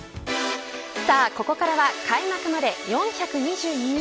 ここからは開幕まで４２２日。